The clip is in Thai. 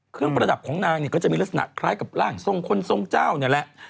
ประดับของนางเนี่ยก็จะมีลักษณะคล้ายกับร่างทรงคนทรงเจ้านี่แหละ